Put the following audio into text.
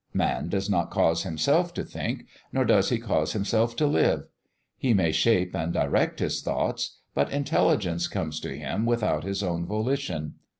Man does not cause himself to think, nor does he cause himself to live. He may shape and direct his thoughts, but intelligence comes to him without his own volition.